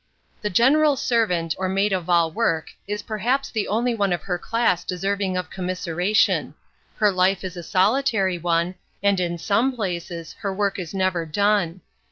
The general servant, or maid of all work, is perhaps the only one of her class deserving of commiseration: her life is a solitary one, and in, some places, her work is never done.